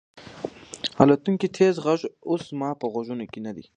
د الوتکې تېز غږ اوس زما په غوږونو کې نه دی.